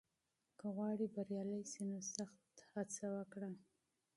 که غواړې بریالی شې، نو سخت کوښښ وکړه.